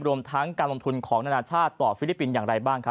รวมทั้งการลงทุนของนานาชาติต่อฟิลิปปินส์อย่างไรบ้างครับ